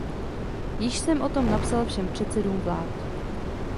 Již jsem o tom napsal všem předsedům vlád.